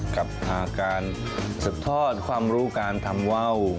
กับการสืบทอดความรู้การทำว่าว